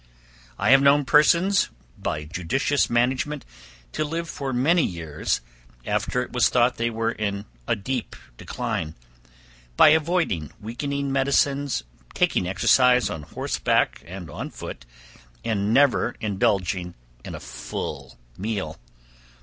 I have known persons by judicious management to live for many years, after it was thought they were in a deep decline, by avoiding weakening medicines, taking exercise on horse back and on foot, and never indulging in a full meal.